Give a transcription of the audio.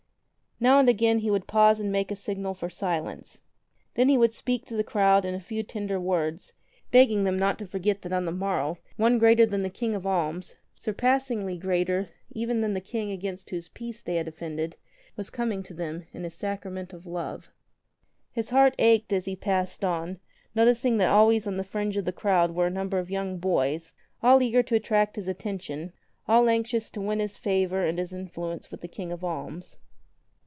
Now and again he would pause and make a signal for silence. Then he would speak to the crowd in a few tender words, begging them not to forget that on the morrow One greater than the King of Alms, surpassingly greater even than the King against whose peace they had offended, was coming to them in His Sacrament of Love. 37 His heart ached as he passed on, noticing that always on the fringe of the crowd were a number of young boys, all eager to attract his attention, all anxious to win his favor and his influence with the King of Alms.